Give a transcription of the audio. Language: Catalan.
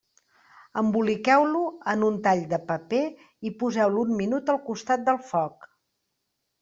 Emboliqueu-lo en un tall de paper i poseu-lo un minut al costat del foc.